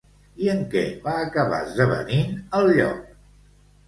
I en què va acabar esdevenint el lloc?